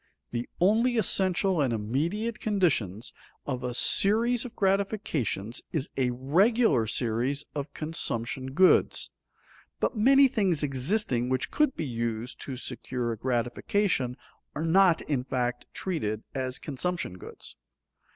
The only essential and immediate conditions of a series of gratifications is a regular series of consumption goods. But many things existing which could be used to secure a gratification are not in fact treated as consumption goods.